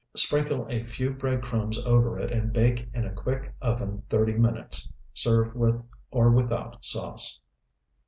Sprinkle a few bread crumbs over it, and bake in a quick oven thirty minutes. Serve with or without sauce.